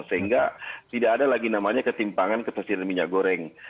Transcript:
sehingga tidak ada lagi namanya ketimpangan ketersediaan minyak goreng